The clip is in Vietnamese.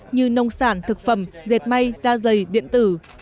như nông sản thực phẩm dệt may da dày điện tử